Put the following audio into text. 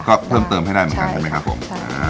ก็เพิ่มเติมให้ได้เหมือนกันใช่ไหมครับผม